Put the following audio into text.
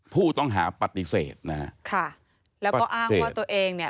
ผู้ต้องหาปฏิเสธนะฮะค่ะแล้วก็อ้างว่าตัวเองเนี่ย